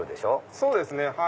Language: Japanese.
そうですね。